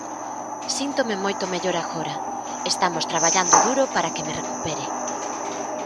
Síntome moito mellor agora, estamos traballando duro para que me recupere.